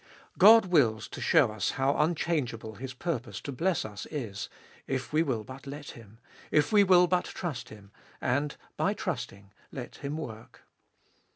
God wills to show us how unchangeable His purpose to bless us is, if we will but let Him, if we will but trust Him, and by trusting let Him work.